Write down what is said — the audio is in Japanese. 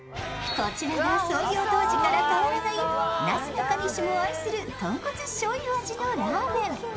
こちらが創業当時から変わらない、なすなかにしも愛する豚骨しょうゆ味のラーメン。